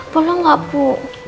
boleh nggak bu